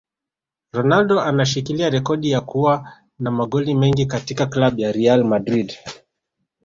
Ronaldo anashikilia rekodi ya kua na magoli mengi katika club ya Real Madrid